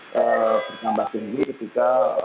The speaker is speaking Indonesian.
bernambah tinggi ketika